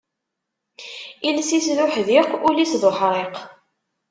Iles-is d uḥdiq, ul-is d uḥriq.